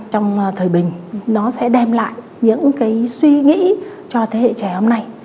trong thời bình nó sẽ đem lại những cái suy nghĩ cho thế hệ trẻ hôm nay